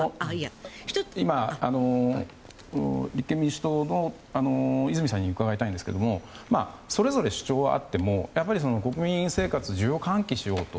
立憲民主党の泉さんに伺いたいんですがそれぞれ主張はあっても国民生活、需要を喚起しようと。